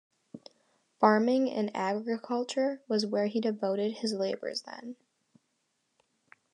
Farming and agriculture was where he devoted his labors then.